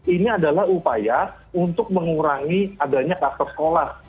ini adalah upaya untuk mengurangi adanya kluster sekolah